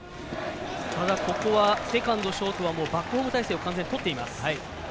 ここはセカンド、ショートはバックホーム態勢をしっかりとっています。